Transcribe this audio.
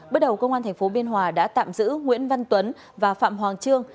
bước đầu công an thành phố biên hòa đã tạm giữ nguyễn văn tuấn và phạm hoàng trương